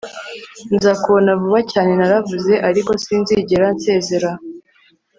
nzakubona vuba cyane, naravuze, ariko sinzigera nsezera